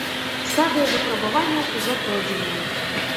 Стадыя выпрабаванняў ўжо пройдзеная.